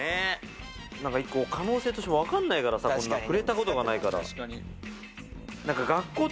なんか可能性として分かんないからさ、こんなの、触れたことがな